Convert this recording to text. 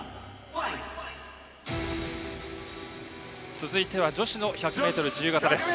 続いては女子の１００ｍ自由形です。